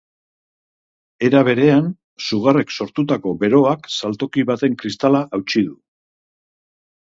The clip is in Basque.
Era berean, sugarrek sortutako beroak saltoki baten kristala hautsi du.